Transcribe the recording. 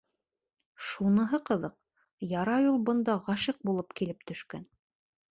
— Шуныһы ҡыҙыҡ: ярай ул бында ғашиҡ булып килеп төшкән.